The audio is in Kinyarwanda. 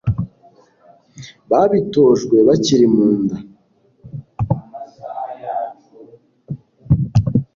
babitojwe bakiri mu nda